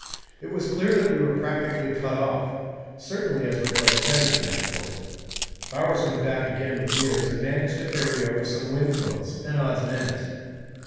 It was clear that we were practically cut off, certainly as regards heavy transport. Bowers went back again with Meares and managed to ferry over some wind clothes and odds and ends.